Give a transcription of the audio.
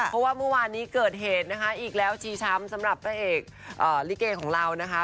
เพราะว่าเมื่อวานนี้เกิดเหตุนะคะอีกแล้วชีช้ำสำหรับพระเอกลิเกของเรานะคะ